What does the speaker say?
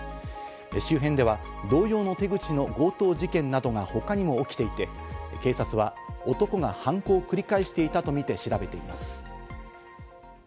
周辺では同様の手口の強盗事件などが他にも起きていて、警察は男が犯行を繰り返していたとみて調べています。